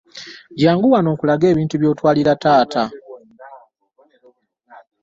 Jangu wano nkulage ebintu by'otwalira taata.